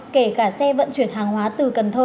kể cả xe vận chuyển hàng hóa từ cần thơ